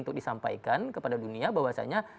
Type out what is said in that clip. untuk disampaikan kepada dunia bahwasanya